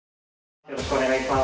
よろしくお願いします。